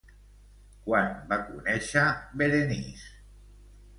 Quan va conèixer Berenice?